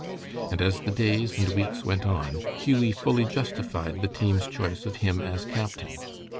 And as the days and weeks went on, Hughie fully justified the team's choice of him as captain.